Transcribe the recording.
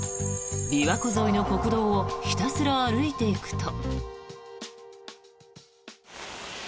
琵琶湖沿いの国道をひたすら歩いていくと。